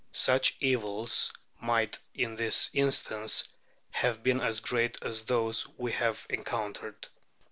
Such evils might in this instance have been as great as those we have encountered.